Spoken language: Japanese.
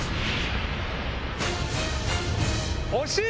惜しい？